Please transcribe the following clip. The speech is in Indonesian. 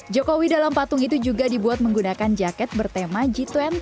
jokowi dalam patung itu juga dibuat menggunakan jaket bertema g dua puluh